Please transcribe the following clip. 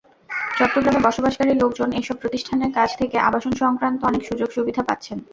চট্টগ্রামে বসবাসকারী লোকজন এসব প্রতিষ্ঠানের কাছ থেকে আবাসন-সংক্রান্ত অনেক সুযোগ-সুবিধা পাচ্ছেন।